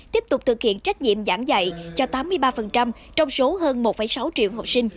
tiếp tục thực hiện trách nhiệm giảng dạy cho tám mươi ba trong số hơn một sáu triệu học sinh